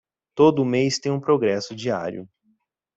Todo mês tem um progresso diário